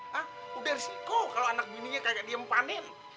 hah udah resiko kalau anak bininya kayak nggak diem panen